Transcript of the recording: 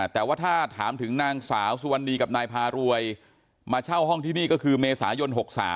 แต่ว่าถ้าถามถึงนางสาวสุวรรณีกับนายพารวยมาเช่าห้องที่นี่ก็คือเมษายน๖๓